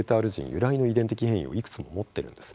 由来の遺伝的変異をいくつも持ってるんです。